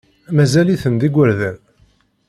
Mazal-iten d igerdan.